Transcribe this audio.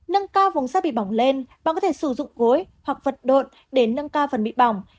nâng cao vùng da bị bỏng lên bạn có thể sử dụng gối hoặc vật độn để nâng cao phần bị bỏng